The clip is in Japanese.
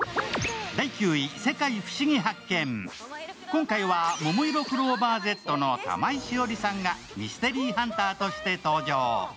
今回は、ももいろクローバーＺの玉井詩織さんがミステリーハンターとして登場。